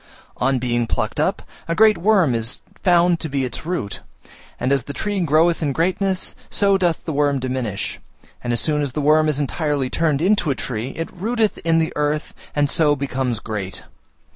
On being plucked up, a great worm is found to be its root, and as the tree groweth in greatness, so doth the worm diminish, and as soon as the worm is entirely turned into a tree it rooteth in the earth, and so becomes great.